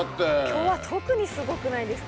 今日は特にすごくないですか？